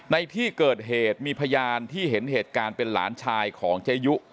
ในที่เกิดเหตุมีพยานที่เห็นเหตุการณ์เป็นหลานชายของเจยุ